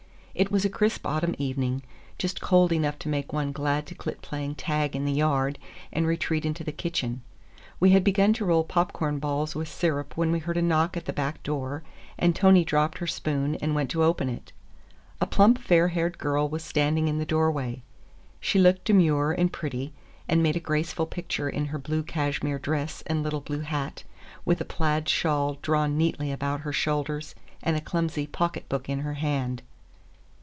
It was a crisp autumn evening, just cold enough to make one glad to quit playing tag in the yard, and retreat into the kitchen. We had begun to roll popcorn balls with syrup when we heard a knock at the back door, and Tony dropped her spoon and went to open it. A plump, fair skinned girl was standing in the doorway. She looked demure and pretty, and made a graceful picture in her blue cashmere dress and little blue hat, with a plaid shawl drawn neatly about her shoulders and a clumsy pocketbook in her hand.